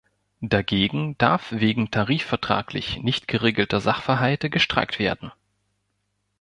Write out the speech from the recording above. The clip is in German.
Dagegen darf wegen tarifvertraglich nicht geregelter Sachverhalte gestreikt werden.